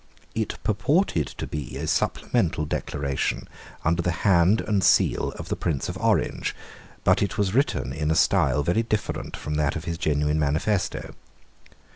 It purported to be a supplemental declaration under the hand and seal of the Prince of Orange: but it was written in a style very different from that of his genuine manifesto.